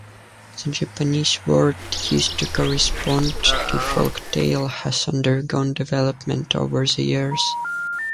The Japanese word used to correspond to "folktale" has undergone development over the years.